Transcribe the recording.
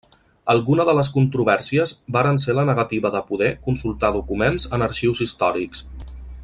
Alguna de les controvèrsies varen ser la negativa de poder consultar documents en arxius històrics.